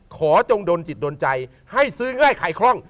จงดนจิตโดนใจให้ซื้อง่ายไข่คล่อง